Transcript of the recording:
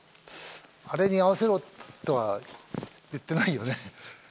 あれに合わせろとは言ってないよね。